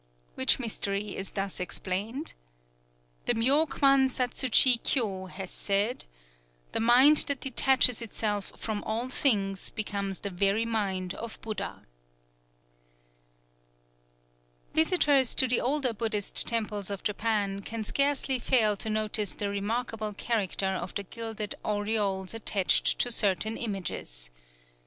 '_" Which mystery is thus explained: "The Myō kwan satsu chi kyō has said: 'The mind that detaches itself from all things becomes the very mind of Buddha.'" Visitors to the older Buddhist temples of Japan can scarcely fail to notice the remarkable character of the gilded aureoles attached to certain images.